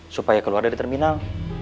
supaya keluar dari terminal